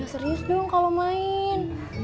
serius dong kalau main